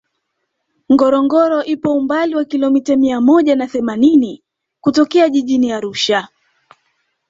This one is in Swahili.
ngorongoro ipo umbali wa kilomita mia moja na themanini kutokea jijini arusha